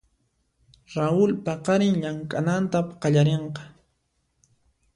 Raul paqarin llamk'ananta qallarinqa.